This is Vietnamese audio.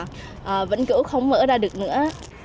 mà vẫn kiểu không mở ra được nữa